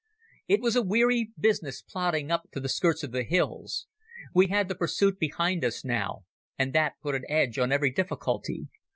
It was a weary business plodding up to the skirts of the hills. We had the pursuit behind us now, and that put an edge on every difficulty.